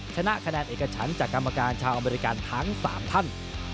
ชนะคะแนนเอกฉันจากกรรมการชาวอเมริกันทั้ง๓ท่าน